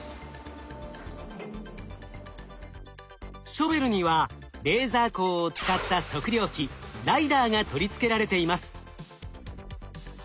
ショベルにはレーザー光を使った測量機ＬｉＤＡＲが取り付けられています。